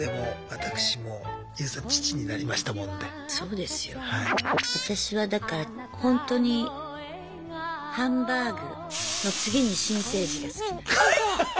私はだからほんとにハンバーグの次に新生児が好きなの。